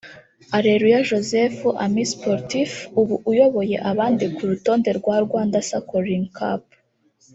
Aleluya Joseph (Amis Sportifs) ubu uyoboye abandi ku rutonde rwa Rwanda Cycling Cup